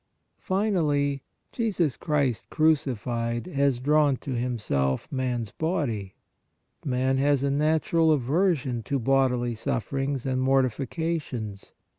4. Finally, Jesus Christ crucified has drawn to EPILOGUE 209 Himself MAN S BODY. Man has a natural aversion to bodily sufferings and mortifications.